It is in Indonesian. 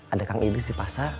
ada kang iblis di pasar